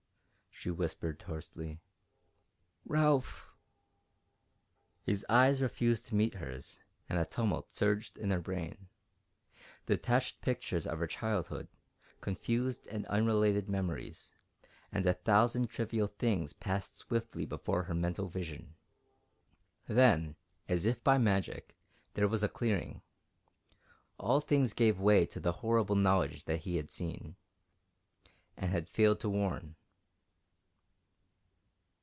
she whispered, hoarsely. "Ralph!" His eyes refused to meet hers, and a tumult surged in her brain. Detached pictures of her childhood, confused and unrelated memories, and a thousand trivial things passed swiftly before her mental vision. Then, as if by magic, there was a clearing all things gave way to the horrible knowledge that he had seen and had failed to warn.